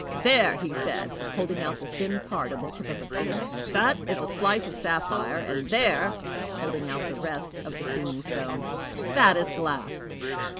"There!" he said, holding out the thin part on the tip of a finger, "that is a slice of sapphire; and there!" holding out the rest of the seeming stone, "that is glass."